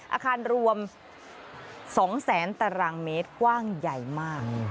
อาคารรวม๒๐๐๐๐๐ตรมกว้างใหญ่มาก